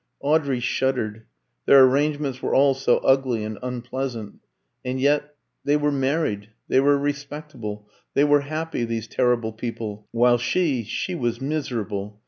Audrey shuddered; their arrangements were all so ugly and unpleasant. And yet they were married, they were respectable, they were happy, these terrible people; while she she was miserable.